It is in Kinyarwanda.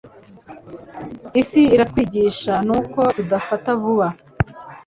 isi iratwigisha nuko tudafata vuba